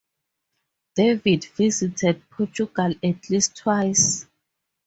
David visited Portugal at least twice.